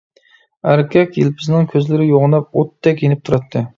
ئەركەك يىلپىزنىڭ كۆزلىرى يوغىناپ ئوتتەك يېنىپ تۇراتتى.